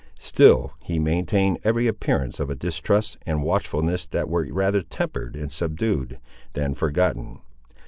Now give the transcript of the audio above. Still he maintained every appearance of a distrust and watchfulness that were rather tempered and subdued, than forgotten.